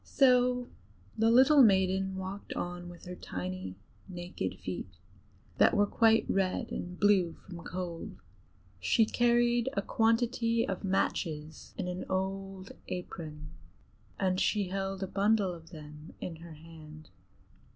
So the little maiden walked on with her tiny naked feet, that were quite red and blue from cold. She carried a quantity of matches in an old apron, and she held a bundle of them in her hand.